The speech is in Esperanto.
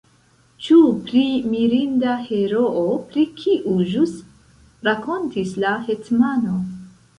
Ĉu pri mirinda heroo, pri kiu ĵus rakontis la hetmano?